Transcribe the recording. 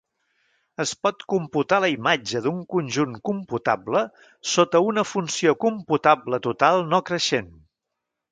Es pot computar la imatge d'un conjunt computable sota una funció computable total no creixent.